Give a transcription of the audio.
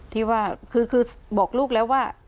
ที่ว่าคือบอกลูกแล้วว่า